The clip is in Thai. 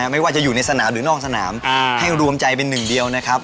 ไม่ว่าจะอยู่ในสนามหรือนอกสนามให้รวมใจเป็นหนึ่งเดียวนะครับ